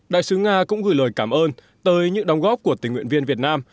đại sứ nga cũng gửi lời cảm ơn tới những đóng góp của tình nguyện viên việt nam